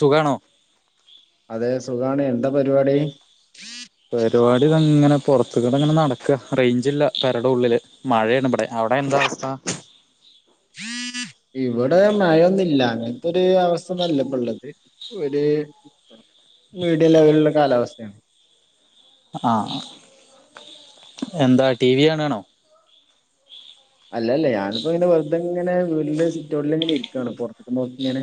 സുഖാണോ അതെ സുഖാണ് എന്താ പരിപാടി പരിപാടി താങ്ങനെ പൊർത്ത്ക്കൂടെങ്ങനെ നടക്ക റേഞ്ച്ല്ല പെരെടെ ഉള്ളില് മഴയാണ് ഇവടെ അവടെ എന്താവസ്ഥ ഇവിടെ മഴയൊന്നുല്ല അങ്ങൻത്തൊര് അവസ്ഥന്നൊല്ലപ്പള്ളത് ഒര് മീഡിയം ലെവൽള്ള കാലാവസ്ഥയാണ് ആ ആ എന്താ ടി വി കാണാണോ അല്ലല്ല ഞാനിപ്പോങ്ങനെ വെർതെങ്ങനെ വീട്ട്ലെ സിറ്റൗട്ട്ല്ങ്ങനെ ഇരിക്കാണ് പൊർത്തും നോക്കി ങ്ങനെ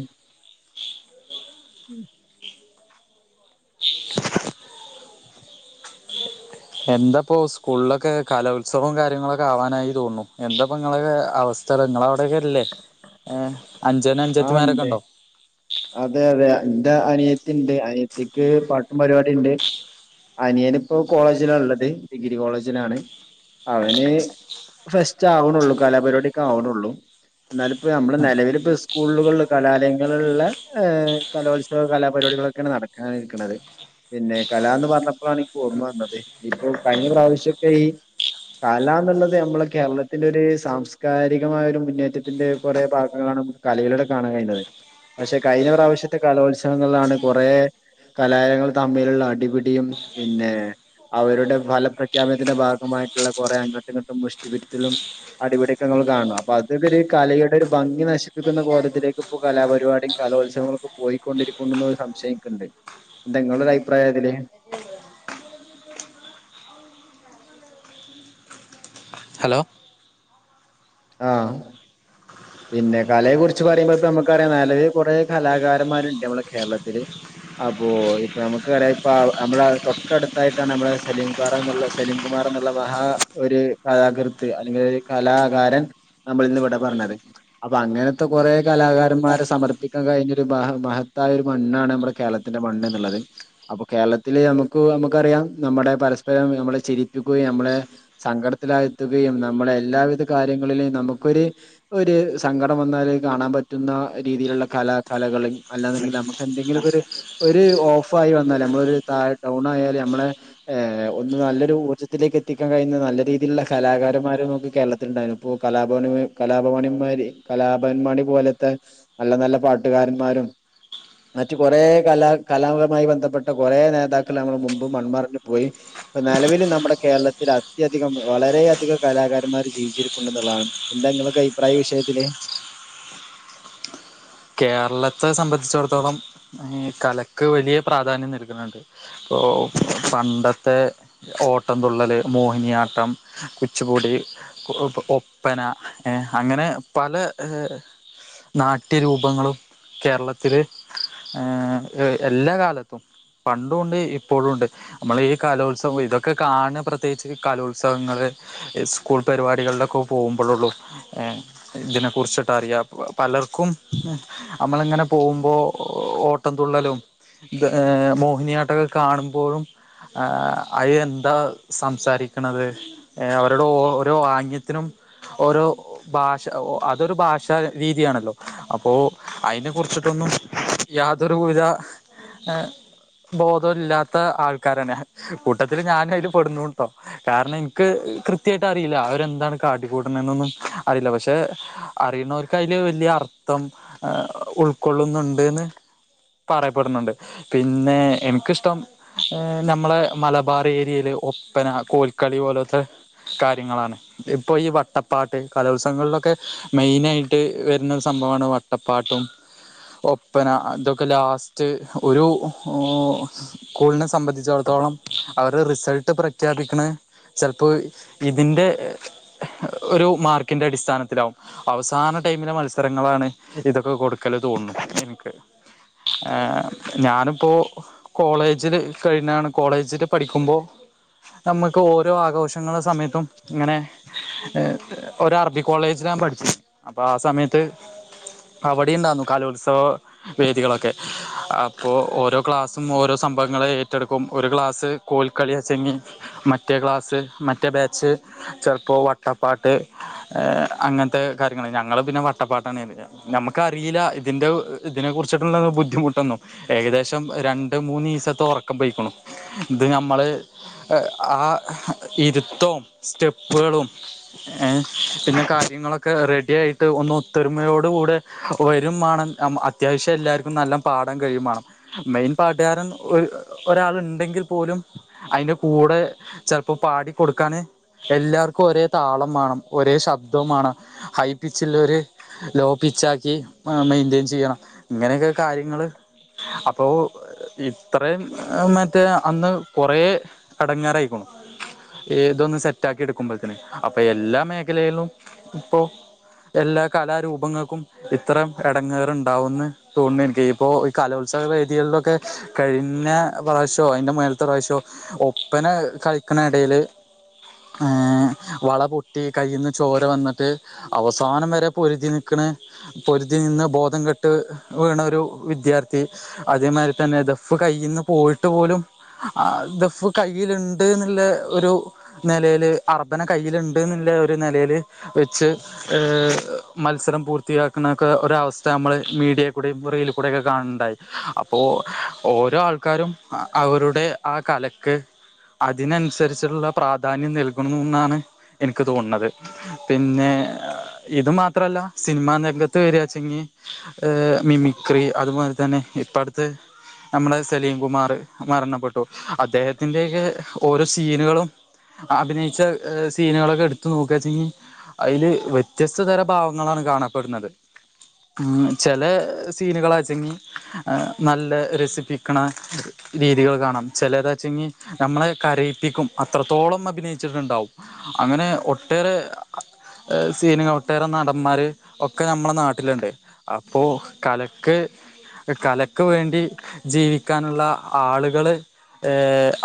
എന്താപ്പോ സ്കൂളിലൊക്കെ കലോത്സവവും കാര്യങ്ങളൊക്കെ ആവാനായി തോന്നുണു എന്താപ്പ ങ്ങളൊക്കെ അവസ്ഥ [unintelligible] അവിടൊക്കെ ല്ലേ ആ അഞ്ചനഞ്ചത്തിമാരൊക്കെ ഉണ്ട് ണ്ടോ അതെ അതെ ന്റെ അനിയത്തി ണ്ട് അനിയത്തിക്ക് പാട്ടും പരിപാടി ണ്ട് അനിയന്പ്പോ കോളേജിലാള്ളത് ഡിഗ്രി കോളേജിലാണ് അവന് ഫെസ്റ്റാവ്ണുള്ളു കലാപരിപാടിയൊക്കെ ആവ്ണൊള്ളു ന്നാലുപ്പം നമ്മള് നെലവില് സ് സ്കൂളുകള്ല് കലാലയങ്ങളില്ള്ളെ എ കലോത്സവ കലാപരിപാടികളൊക്കെണ് നടക്കാനിരിക്ക്ണത് പിന്നെ കലാന്ന് പറഞ്ഞപ്പളാണ് ഇൻക്ക് ഓർമ്മ വന്നത് ഇപ്പോ കഴിഞ്ഞ പ്രാവശ്യത്തെ ഈ കല ന്ന്ള്ളത് നമ്മളെ കേരളത്തിന്റെ ഒരു സാംസ്കാരികമായ ഒരു മുന്നേറ്റത്തിന്റെ കൊറെ ഭാഗങ്ങളാണ് കലയിലൂടെ കാണാൻ കഴിയുന്നത് പക്ഷെ കഴിഞ്ഞ പ്രാവശ്യത്തെ കലോത്സവങ്ങളിലാണ് കൊറെ കലാലയങ്ങൾ തമ്മിലുള്ള അടിപിടിയും പിന്നെ അവരുടെ ഫലപ്രഖ്യാപനത്തിന്റെ ഭാഗമായിട്ടുള്ള കൊറെ അങ്ങട്ട്ങ്ങട്ടും മുഷ്ടിപിര്ച്ചിലും അടിപിടിയൊക്കെ ഇങ്ങള് കാണണം അപ്പത് വര് കലയുടെ ഒരു ഭംഗി നശി ക്കുന്ന കോലത്തിലേക്ക്പ്പോ കലാപരിപാടിയും കലോത്സവങ്ങളൊക്കെ പോയിക്കൊണ്ടിരിക്കുന്നുണ്ടൊ ന്നൊരു സംശയം ഇൻക്ക്ണ്ട് എന്തെങ്ങളൊരഭിപ്രായതില് ഹലോ ആ പിന്നെ കലയെ കുറിച്ച് പറയുമ്പോ ഇപ്പ നമ്മക്കറിയാ നെലവില് കൊറെ കലാകാരന്മാര്ണ്ട് നമ്മളെ കേരളത്തില് അപ്പൊ ഇപ്പൊ നമ്മക്കറിയ ഇപ്പ നമ്മളെ തൊട്ടട്ത്തായിട്ടാണ് നമ്മളെ സെലീം മാറെന്നുള്ള സലിംകുമാറെന്നുള്ള മഹാ ഒരു കലാകൃത്ത് അല്ലെങ്കിലൊര് കലാകാരൻ നമ്മളിന്ന് വിട പറഞ്ഞത് അപ്പൊ അങ്ങനത്തെ കൊറെ കലാകാരന്മാരെ സമർപ്പിക്കാൻ കഴിഞൊരു മഹ മഹത്തായൊരു മണ്ണാണ് ഞമ്മളെ കേരളത്തി ത്തിന്റെ മണ്ണ് ന്ന്ള്ളത് അപ്പൊ കേരളത്തില് നമുക്ക് നമുക്കറിയാം നമ്മടെ പരസ്പരം നമ്മളെ ചിരിപ്പിക്കുകയും നമ്മളെ സങ്കടത്തിലാഴ്ത്തുകയും നമ്മളെ എല്ലാവിധ കാര്യങ്ങളിലെയും നമുക്കൊര് ഒരു സങ്കടം വന്നാൽ കാണാൻ പറ്റുന്ന രീതിയിലുള്ള കലാ കലകളും അല്ലാണ്ടെങ്കിൽ നമുക്ക് എന്തെങ്കിലൊക്കൊര് ഒരു ഓഫായി വന്നാല് നമ്മളൊരു ത ഡൗണായാല് നമ്മളെ ഏ ഒന്ന് നല്ലൊരു ഊർജത്തിലേക്ക് എത്തിക്കാൻ കഴിയുന്ന നല്ല രീതിയിലുള്ള കലാകാരന്മാരും നമുക്ക് കേരളത്തില്ണ്ടായിനു അപ്പോ കലാ [unintelligible] കല കോണിമ്മാരി കലാഭവൻ മണി പോലത്തെ നല്ല നല്ല പാട്ടുകാരന്മാരും മറ്റ് കൊറേ കലാ കലാപുമായി ബന്ധപ്പെട്ട കൊറേ നേതാക്കൾ നമ്മടെ മുമ്പ് മൺമറഞ് പോയി ഇപ്പ നെലവില് നമ്മടെ കേരളത്തിലത്യധികം വളരെയധികം കലാകാരന്മാര് ജീവിച്ചിരിപ്പുണ്ടന്നുള്ളതാണ് എന്താ ഇങ്ങളൊക്കെ അഭിപ്രായീ വിഷയത്തില് കേരളത്തെ സംബന്ധിച്ചിടത്തോളം ഈ കലക്ക് വലിയ പ്രാധാന്യം നൽക്ന്ന്ണ്ട് ഓ പണ്ടത്തെ ഓട്ടം തുള്ളല്, മോഹിനിയാട്ടം, കുച്ചുപുടി ഒ ഒ ഒപ്പന ഏ അങ്ങനെ പല നാട്ട ട്ട്യ രൂപങ്ങളും കേരളത്തില് ഏ എല്ലാ കാലത്തും പണ്ടുണ്ട് ഇപ്പോളുണ്ട് നമ്മളീ കലോത്സവം ഇതൊക്കെ കാണ പ്രത്യേകിച്ച് കലോത്സവങ്ങള് സ്കൂൾ പരിപാടികളിലൊക്കെ പോമ്പളൊള്ളു ഏഹ് ഇതിനെ കുറിച്ചിട്ട് അറിയാം പലർക്കും നമ്മള്ങ്ങനെ പോവുമ്പോ ഓ ഓട്ടംതുള്ളലും ഇർ മോഹിനിയാട്ടൊക്കെ കാണുമ്പോഴും ആഹ് അത് എന്താ സംസാരിക്കണത് എഹ് അവരുടെ ഓരോ ആംഗ്യത്തിനും ഓരോ ഭാഷ അഹ് ഒ ആഹ് അതൊരു ഭാഷ രീതിയാണല്ലോ അപ്പോ അയ്നെ കുറിച്ചിട്ടൊന്നും യാതൊരു വിധ ഏഹ് ബോധം ഇല്ലാത്ത ആൾക്കാരാണ് കൂട്ടത്തില് ഞാനു അയ്ൽ പെടുന്നുട്ടോ കാരണം എനിക്ക് കൃത്യയിട്ട് അറിയില്ല അവരെന്താണ് കാട്ടിക്കൂട്ട്ണ്ന്നൊന്നും അറിയില്ല പക്ഷെ അറിയ്ണോർക്ക് അയ്ല് വല്യ അർത്ഥം ആഹ് ഉൾക്കൊള്ളുന്നുണ്ട്ന്ന് പറയപ്പെടുന്നുണ്ട് പിന്നെ എനിക്കിഷ്ടം എഹ് നമ്മളെ മലബാറ് ഏരിയയില് ഒപ്പന കോൽക്കളി പോലൊത്തെ കാര്യങ്ങളാണ് ഇപ്പൊ ഈ വട്ടപ്പാട്ട് കലോത്സവങ്ങളിലൊക്കെ മെയിനയിട്ട് വരുന്ന സ് സംഭവാണ് വട്ടപ്പാട്ടും ഒപ്പന അതൊക്കെ ലാസ്റ്റ് ഒരു ഓഹ് സ്കൂൾനെ സംബന്ധിച്ചിടത്തോളം അവര് റിസൾട്ട് പ്രഖ്യാപിക്കണ ചിലപ്പോ ഇതിന്റെ അഹ് ഒരു മാർക്കിന്റെ അടിസ്ഥാനത്തിലാവും അവസാന ടൈമിലെ മത്സ ത്സരങ്ങളാണ് ഇതൊക്കെ കൊടുക്കല് തോന്നുന്നു എനിക്ക് ഏഹ് ഞാനിപ്പോ കോളേജില് കഴിഞ്ഞാണ് കോളേജില് പഠിക്കുമ്പോ നമക്ക് ഓരോ ആഘോഷങ്ങളെ സമയത്തും ഇങ്ങനെ എഹ് ഒരു അറബി കോളേജിലാ ഞാ പഠിച്ച് അപ്പൊ ആഹ് സമയത്ത് അവിടിണ്ടായിർന്ന് കാലോത്സവ വേദികളൊക്കെ അപ്പോ ഓരോ ക്ലാസ്സും ഓരോ സംഭവങ്ങളെ ഏറ്റെടുക്കും ഒരു ക്ലാസ്സ് കോൽക്കളിയച്ചങി മറ്റേ ക്ലാസ്സ് മറ്റേ ബാച്ച് ചെൽപ്പോ വട്ടപ്പാട്ട് ഏഹ് അങ്ങൻത്തെ കാര്യങ്ങൾ ഞങ്ങള് പിന്നെ വട്ടപ്പാട്ടാണേ വര്യ നമ്മക്കറില്ല ഇതിന്റെ ഇതിനെ കുറിച്ചിട്ടുള്ള ബുദ്ധിമുട്ടൊന്നും ഏകദേശം രണ്ട് മൂന്നിസത്തെ ഉറക്കം പോയിക്ക്ണു ഇത് നമ്മള് ആഹ് ഇരുത്തും സ്റ്റെപ്പൊളും ഏഹ് പിന്നെ കാര്യങ്ങളൊക്കെ റെഡി ആയിട്ട് ഒന്ന് ത്തൊരുമയോടു കൂടെ വരുംമാണം ന്ന അത്യാവശ്യം എല്ലാർക്കും നല്ലം പാടാൻ കഴിയുമാണം മെയിൻ പാട്ടെരൻ ഒര് ഒരാൾ ഉണ്ടെങ്കിൽ പോലും അയ്ന്റെ കൂടെ ചെൽപ്പോ പാടി കൊടുക്കാന് എല്ലാർക്കും ഒരേ താളം മാണം ഒരേ ശബ്ദം മാണം ഹൈപിച്ചിൽ ഒരു ലോ പിച്ച് ആക്കി അഹ് മെയിന്റയിൻ ചെയ്യണം ഇങ്ങനെയൊക്കെ കാര്യങ്ങള് അപ്പോ ഇത്രേം മറ്റേ അന്ന് കുറേ ഇടങ്ങാറായിക്ക്ണു ഇതൊന്ന് സെറ്റക്കി എടുക്കുമ്പോൾത്ത്‌ന്ന് അപ്പൊ എല്ലാ മേഖലയിലും ഇപ്പൊ എല്ലാ കലരൂപങ്ങക്കും ഇത്തറം ഇടങ്ങേറ് ഉണ്ടാവോന്ന് തോന്നി നിക്ക് ഇപ്പോ ഈ കലോത്സവ വേദിളൊക്കെ കഴിഞ്ഞ പ്രാവശ്യോ അതിന്റെ മേലത്തെ പ്രാവശ്യോ ഒപ്പന കളിക്ക്ണ ഇടയില് ഏഹ് വള പൊട്ടി കയ്യിന്ന് ചോര വന്നിട്ട് അവസാനം വരെ പൊരുതി നിക്ക്ണ പൊരുതി നിന്ന് ബോധം കെട്ട് വീണ ഒരു വിദ്യാർത്ഥി അതേമാരി തന്നെ ദഫ് കൈയിന്ന് പോയിട്ട് പോലും ആഹ് ദഫ് കയ്യിലുണ്ട്ന്ന്ള്ള ഒരു നേലേല് അർബന കയ്യില്ണ്ട് എന്നുള്ള ഒരു നേലേല് വെച്ച് ഏഹ് മത്സരം പൂർത്തിയാക്ക്ണക്കെ ഒര് അവസ്ഥ നമ്മള് മീഡിയയി കൂടെയും റീലിൽ കൂടെ ഒക്കെ കാണ് ണ്ടായി അപ്പോ ഓരോ ആൾക്കാരും അവരുടെ ആഹ് കലക്ക് അതിനനുസരിച്ച്ള്ള പ്രാധാന്യം നൽക്ക്ണുന്നാണ് എനിക്ക് തോണത് പിന്നെ ഇത് മാ ത്രല്ല സിനിമാ രംഗത്ത് വരാച്ചെങ്കി ഏ മിമിക്രി അതുപോലെ തന്നെ ഇപ്പടുത്ത് നമ്മടെ സലീം കുമാർ മരണപ്പെട്ടു അദ്ദേഹത്തിന്റെയൊക്കെ ഓരോ സീനുകളും അഭിനയിച്ച സീനുകളൊക്കെ ഇടുത്തു നോകാച്ചെങ്കി അയില് വ്യത്യസ്ത തരം ഭാവങ്ങളാണ് കാണപ്പെടുന്നത് മ്മ് ചെല സീനുകളാച്ചെങ്കി നല്ല രസിപ്പിക്കണ രീതികൾ കാണാം ചെലേതാചെങ്കി നമ്മളെ കരയിപ്പിക്കും അത്രത്തോളം അഭിനയിച്ചിട്ടുണ്ടാവും അങ്ങനെ ഒട്ടേറെ സീന് ഒട്ടേറെ നടന്മാര് ഒക്കെ നമ്മളെ നാട്ടിലുണ്ട് അപ്പോ കലക്ക് കലക്ക് വേണ്ടി ജീവിക്കാനുള്ള ആളുകള്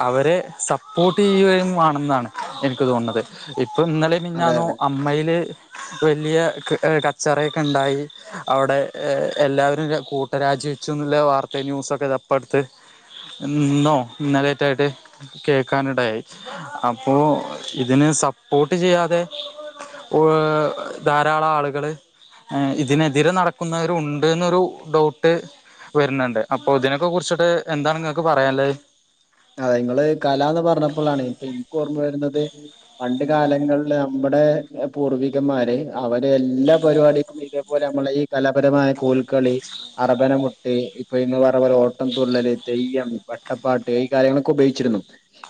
അവരെ സപ്പോർട്ടിയ്യുകയും വേണന്നാണ് എനിക്ക് തോന്നുണത് ഇപ്പൊ ഇന്നലെയും അതെ മിഞ്ഞാന്നും അതെ. അമ്മയില് വലിയ കച്ചറയൊക്കെണ്ടായി അവടെ എല്ലാവരും കൂട്ടരാജിവെച്ചുന്നുള്ള വാർത്ത ന്യൂസൊക്കെതാ ഇപ്പടുത്ത് ഇന്നോ ഇന്നലേറ്റായിട്ട് കേക്കാനിടയായി അപ്പോ ഇതിന് സപ്പോർട്ട് ചെയ്യാതെ ഓ ധാരാളം ആളുകള് ഇതിനെതിരെ നടക്കുന്നവരുണ്ട്ന്നൊരു ഡൗട്ട് വരുന്നുണ്ട് അപ്പൊ ഇതിനൊക്കെ കുറിച്ചിട്ട് എന്താണ് ഇങ്ങക്ക് പറയാനുള്ളത് അത ഇങ്ങള് കലാന്ന് പറഞ്ഞപ്പളാണ് ഇ ഇനിക്ക് ഓർമ്മ വരുന്നത് പണ്ട് കാലങ്ങളിൽ നമ്മുടെ പൂർവികന്മാര് അവര് എല്ലാ പരിപാടിക്കും അതുപോലെ നമ്മളെ ഈ കലാപരമായ കോൽക്കളി അറബന മുട്ട് ഇപ്പൊ ഇന്ന് പറഞ പോലെ ഓട്ടം തുള്ളല് തെയ്യം വട്ടപ്പാട്ട് ഈ കാര്യങ്ങളൊക്കെ ഉപയോഗിച്ചിരുന്നു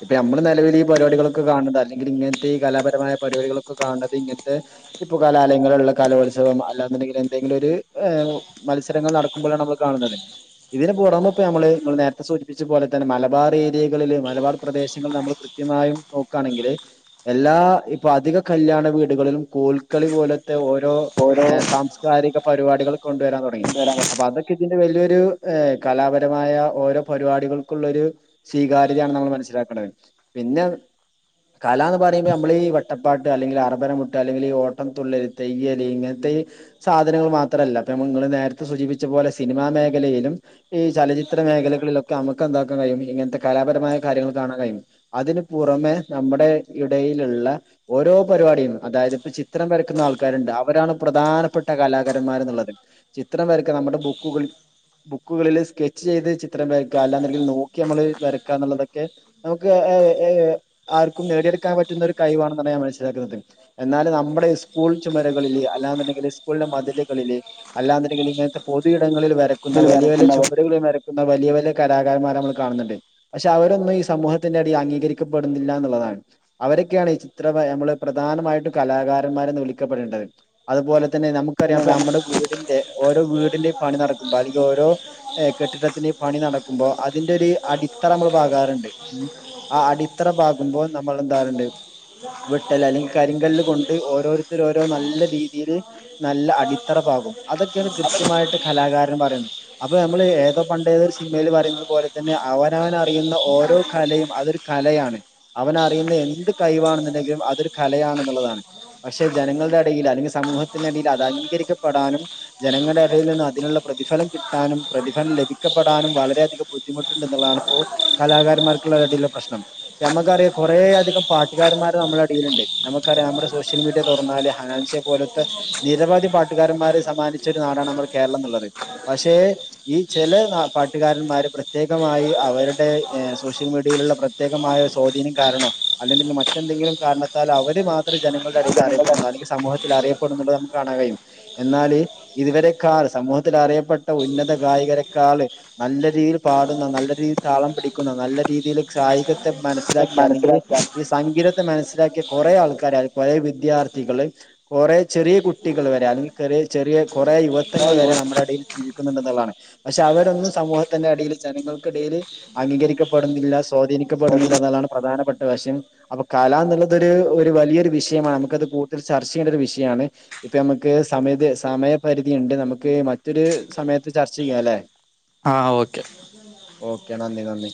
ഇപ്പൊ നമ്മള് നിലവിൽ ഈ പരിപാടികളൊക്കെ കാണുന്നത് അല്ലെങ്കിൽ ഇങ്ങനത്തെ ഈ കലാപരമായ പരിപാടികളൊക്കെ കാണുന്നത് ഇങ്ങനത്തെ ഇപ്പൊ കലാലയങ്ങളിലുള്ള കലോത്സവം അല്ലാെന്നുണ്ടെങ്കിൽ എന്തെങ്കിലൊര് ഏ മത്സരങ്ങൾ നടക്കുമ്പോഴാണ് നമ്മൾ കാണുന്നത് ഇതിന് പുറമെപ്പോ നമ്മള് ഇങ്ങള് നേരത്തെ സൂചിപ്പിച്ച പോലെ തന്നെ മലബാർ ഏരിയകളില് മലബാർ പ്രദേശങ്ങളിൽ നമ്മൾ കൃത്യമായും നോക്കാണെങ്കിൽ എല്ലാ ഇപ്പൊ അധിക കല്യാണ വീടുകളിലും കോൽക്കളി പോലത്തെ ഓരോ ഓരോ ഏ സാംസ്കാരിക പരിപാടികൾ കൊണ്ടുവരാൻ തൊടങ്ങി അപ്പൊ വരകൾ അതൊക്കെ ഇതിന്റെ വല്ല്യൊരു കലാപരമായ ഓരോ പരിപാടികൾ ക്കുള്ളൊരു സ്വീകാര്യതയാണ് നമ്മൾ മനസ്സിലാക്കേണ്ടത് പിന്നെ കലാന്ന് പറയുമ്പോ നമ്മളീ വട്ടപ്പാട്ട് അല്ലെങ്കിൽ അറബന മുട്ട് അല്ലെങ്കിൽ ഈ ഓട്ടം തുള്ളല് തെയ്യൽ ഇങ്ങനത്തെ ഈ സാധനങ്ങൾ മാത്രല്ല ഇപ്പ ഞമ്മ ഇങ്ങള് നേരത്തെ സൂചിപ്പിച്ച പോലെ സിനിമാ മേഖലയിലും ഈ ചലച്ചിത്ര മേഖലകളിലൊക്കെ നമുക്ക് എന്താക്കാൻ കഴിയും ഇങ്ങനത്തെ കലാപരമായ കാര്യങ്ങൾ കാണാൻ കയ്യും അതിന് പുറമെ നമ്മുടെ ഇടയിലുള്ള ഓരോ പരിപാടിയും അതായത് ഇപ്പ ചിത്രം വരക്കുന്ന ആൾക്കാരുണ്ട് അവരാണ് പ്രധാനപ്പെട്ട കലാകാരന്മാര് എന്നുള്ളത് ചിത്രം വരക്ക നമ്മുടെ ബുക്കുക ബുക്കുകളിൽ സ്കെച്ച് ചെയ്ത് ചിത്രം വര ക്കാ അല്ലാെന്നുണ്ടെങ്കിൽ നോക്കി നമ്മള് വരക്കാ എന്നുള്ളതൊക്കെ നമുക്ക് ഏ ഏ ആർക്കും നേടിയെടുക്കാൻ പറ്റുന്ന ഒരു കഴവാണെന്നാണ് ഞാൻ മനസ്സിലാക്കുന്നത് എന്നാലും നമ്മുടെ സ്കൂൾ ചുമരകളില് അല്ലാെന്നുണ്ടെങ്കില് സ്കൂളിന്റെ മതിലുകളില് അല്ലാെന്നുണ്ടെങ്കില് ഇങ്ങനത്തെ പൊതു ഇടങ്ങളിൽ വരക്കുന്ന വലിയ വലിയ വരയ്ക്കുന്നവർ ചുമരുകളിൽ വരക്കുന്ന വലിയ വല്യ കലാകാരന്മാരെ നമ്മള് കാണുന്നുണ്ട് പക്ഷെ അവരെയൊന്നും ഈ സമൂഹത്തിന്റെ ഇടയി അംഗീകരിക്കപ്പെടുന്നില്ല എന്നുള്ളതാണ് അവരൊക്കെയാണ് ഈ ചിത്രം വ നമ്മള് പ്രധാനമായിട്ടും കലാകാരന്മാരെന്ന് വിളിക്കപ്പെടേണ്ടത് അതുപോലെ തന്നെ നമുക്കറിയാം തന്നെ ഇപ്പൊ നമുക്ക് നമ്മുടെ വീ ടിന്റെ ഓരോ വീടിന്റെയും പണി നടക്കുമ്പോ അല്ലെങ്കിൽ ഓരോ കെട്ടിടത്തിന്റെയും പണി നട ക്കുമ്പോ അതിന്റൊരു അടിത്തറ നമ്മൾ പാകാറുണ്ട് ആ അടിത്തറ പാകുമ്പോ നമ്മളെന്താറുണ്ട് വെട്ടല്ല് അല്ലെങ്കിൽ കരിങ്കല്ല് കൊണ്ട് ഓരോരുത്തര് ഓരോ നല്ല രീതിയില് നല്ല അടിത്തറപ്പാകും അതൊക്കെയാണ് കൃത്യമായിട്ട് കലാകാരൻ പറയാൻ പറ്റു അപ്പൊ നമ്മള് ഏതോ പണ്ടേതോരു സി മേൽ പറയുന്നത് പോലെ തന്നെ അവനവനറിയുന്ന ഓരോ കലയും അതൊരു കലയാണ് അവനറിയുന്ന എന്ത് കൈവാണെന്നുണ്ടെങ്കിലും അതൊരു കലയാണെന്നുള്ളതാണ് പക്ഷെ ജനങ്ങളുടെ എടയിൽ അല്ലെങ്കിൽ സമൂഹത്തിന്റെടയിൽ അത് അംഗീകരിക്കപ്പെടാനും ജനങ്ങളുടെ ഇടയിൽ നിന്നും അതിനുള്ള പ്രതിഫലം കിട്ടാനും പ്രതിഫലം ലഭിക്കപ്പെ ടാനും വളരെയധികം ബുദ്ധിമുട്ടുണ്ട്ന്നുള്ളതാണ് ഇപ്പോ കലാകാരമാർക്കുള്ള ഒരു എടയിലുള്ള പ്രശ്നം നമ്മക്കറിയ കുറെയധികം പാട്ടുകാരൻമാര് നമ്മുടെ എടയില്ണ്ട് നമുക്കറിയാം നമ്മടെ സോഷ്യൽ മീഡിയ തുറന്നാൽ ഹനാൻഷ പോലോത്തെ നിരവധി പാട്ടുകാരന്മാരെ സമ്മാനിച്ച ഒരു നാടാണ് നമ്മളെ കേരളം ന്ന്ള്ളത് പക്ഷെ ഈ ചെലെ ന പാട്ടുകാരന്മാര് പ്രത്യേകമായി അവരുടെ ഏ സോഷ്യൽ മീഡിയയിലുള്ള പ്രത്യേകമായ സ്വാധീനം കാരണം അല്ലെങ്കിൽ മറ്റെന്തെങ്കിലും കാരണത്താൽ അവര് മാത്രം ജനങ്ങളുടെടയിൽ ജനങ്ങളുടെ അറിയപ്പെടുന്നു അല്ലെങ്കി സമൂഹത്തിൽ അറിയ പ്പെടുനുള്ളത് നമക്ക് കാണാൻ കഴിയും എന്നാല് ഇതുവരെക്കാൾ സമൂഹത്തിലറിയപ്പെട്ട ഉന്നത ഗായികരെക്കാള് നല്ല രീതിയിൽ പാടുന്ന നല്ല രീതിൽ താളം പിടിക്കുന്ന നല്ല രീതിൽ സായികത്തെ മനസ് മനസ്സിലാക്കിയ അല്ലെങ്കിൽ മനസ്സിലാക്കാൻ ഈ സംഗീതത്തെ മനസ്സിലാക്കിയ കൊറെ ആൾക്കാരെ കുറെ വിദ്യാർത്ഥികള് കൊറെ ചെറിയ കുട്ടികൾ വരെ അല്ലെങ്കിൽ കൊറെ ചെറിയ കോറെ യുവത്വങ്ങൾ വരെ നമ്മടെ ഇടയിൽ ജീവിക്കുന്നുണ്ട്ന്ന്ള്ളതാണ് പക്ഷെ അവരൊന്നും സമൂഹത്തിന്റെ ഇടെൽ ജനങ്ങൾക്കിടയില് അംഗീകരിക്കപ്പെടുന്നില്ല സ്വാധീനിക്കപ്പെടുന്നില്ല എന്നുള്ളാണ് പ്രധാനപ്പെട്ട വശം അപ്പൊ കലാന്നുള്ളതോരു വലിയൊരു വിഷയമാണ് നമുക്കത് കൂടുതൽ ചർച്ച ചെയ്യേണ്ടോരു വിഷയാണ് ഇപ്പ നമ്മക്ക് സമയത്ത് സമയപരിധിയിണ്ട് നമുക്ക് മറ്റൊരു സമയത്ത് ചർച്ചെയ്യാലെ ആഹ് ഓക്കെ ഓക്കെ നന്ദി നന്ദി